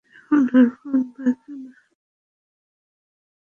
এখন আর ফোন বাজবে না।